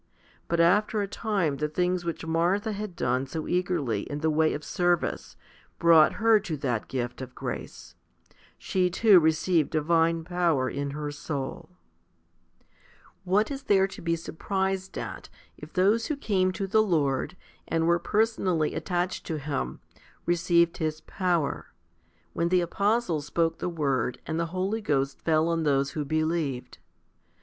3 But after a time the things which Martha had done so eagerly in the way of service brought her to that gift of grace. She too received divine power in her soul. 17. What is there to be surprised at if those who came to the Lord, and were personally attached to Him, received 1 Ezek. xvi. B Luke x. 41. 3 Luke x. 42. 98 FIFTY SPIRITUAL HOMILIES His power, when the apostles spoke the word, and the Holy Ghost fell on those who believed?